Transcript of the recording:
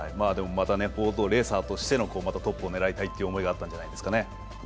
ボートレーサーとしてのトップになりたいという気持ちがあったんじゃないですか。